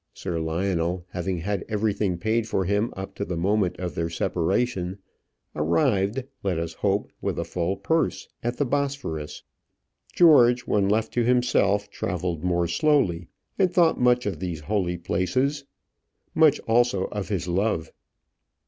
Sir Lionel, having had everything paid for him up to the moment of their separation, arrived let us hope with a full purse at the Bosphorus. George, when left to himself, travelled more slowly, and thought much of these holy places much also of his love.